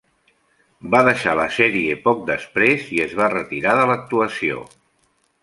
Va deixar la sèrie poc després i es va retirar de l'actuació.